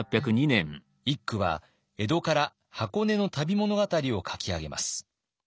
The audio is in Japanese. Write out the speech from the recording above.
一九は江戸から箱根の旅物語を書き上げます。